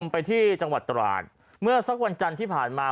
ไปที่จังหวัดตราดเมื่อสักวันจันทร์ที่ผ่านมา